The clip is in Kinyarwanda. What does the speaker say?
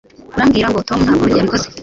Urambwira ngo Tom ntabwo yabikoze